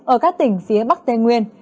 ở các tỉnh phía bắc tây nguyên